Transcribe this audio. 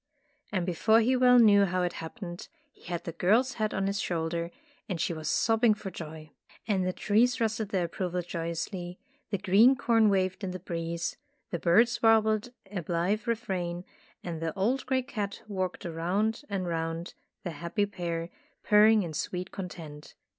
And before he well knew how it hap pened, he had the girl's head on his shoulder and she was sobbing for joy. And the trees rustled their approval joyously, the green corn waved in the breeze, the birds warbled a blithe refrain, and the old gray cat walked round and round the happy pair, purring in sweet content.